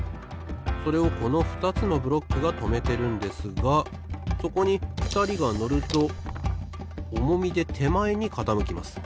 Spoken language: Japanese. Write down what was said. それをこのふたつのブロックがとめてるんですがそこにふたりがのるとおもみでてまえにかたむきます。